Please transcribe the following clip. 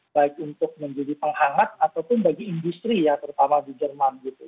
baik untuk menjadi penghangat ataupun bagi industri ya terutama di jerman gitu